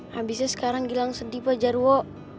habisnya sekarang gilang sedih pak jarwo